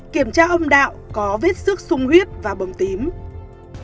kiểm tra ông đạo có vết sức sung huyết và bầm tím